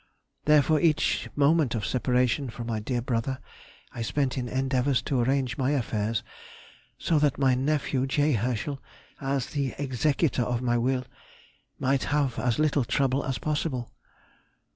Therefore each moment of separation from my dear brother I spent in endeavours to arrange my affairs so that my nephew, J. Herschel, as the executor of my will, might have as little trouble as possible.